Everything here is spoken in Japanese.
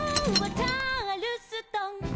「チャールストン」